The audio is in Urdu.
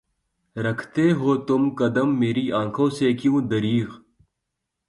رکھتے ہو تم قدم میری آنکھوں سے کیوں دریغ؟